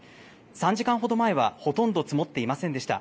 ３時間ほど前はほとんど積もっていませんでした。